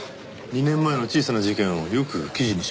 ２年前の小さな事件をよく記事にしましたね。